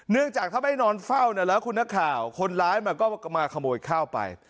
เนื่องจากถ้าไม่นอนเฝ้าเนี่ยแล้วคุณนักข่าวคนร้ายมันก็มาขโมยข้าวไป